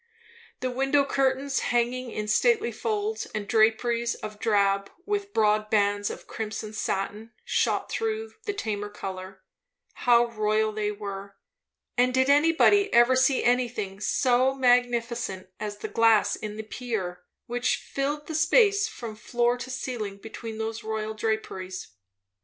The window curtains, hanging in stately folds and draperies of drab, with broad bands of crimson satin shot through the tamer colour, how royal they were! And did anybody ever see anything so magnificent as the glass in the pier, which filled the space from floor to ceiling between those royal draperies?